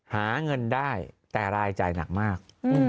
หาเงินได้แต่รายจ่ายหนักมาก